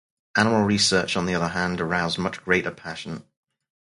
Animal research, on the other hand, aroused much greater passion.